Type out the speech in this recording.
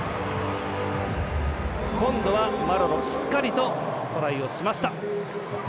今度はマロロしっかりとトライをしました。